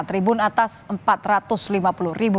tribun atas rp empat ratus